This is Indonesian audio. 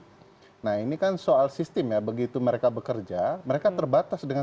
jadi nah ini kan soal sistem ya begitu mereka bekerja